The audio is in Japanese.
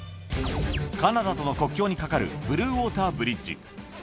カナダとの国境に架かるブルー・ウォーター・ブリッジ。